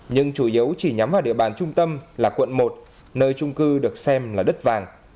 nhưng chủ yếu chỉ nhắm vào địa bàn trung tâm là quận một nơi trung cư được xem là đất vàng